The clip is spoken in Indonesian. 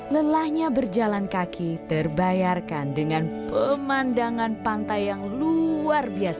lelahnya berjalan kaki terbayarkan dengan pemandangan pantai yang luar biasa